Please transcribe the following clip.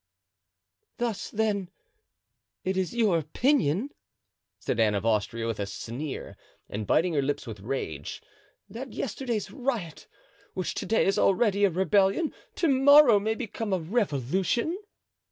"Thus, then, it is your opinion," said Anne of Austria, with a sneer and biting her lips with rage, "that yesterday's riot, which to day is already a rebellion, to morrow may become a revolution?"